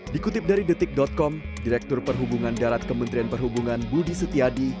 dikutip dari detik com direktur perhubungan darat kementerian perhubungan budi setiadi